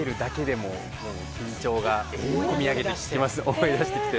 思い出してきて。